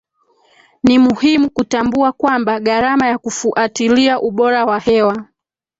Ni muhimu kutambua kwamba gharama ya kufuatilia ubora wa hewa